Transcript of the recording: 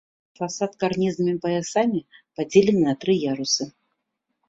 Фасад карнізнымі паясамі падзелены на тры ярусы.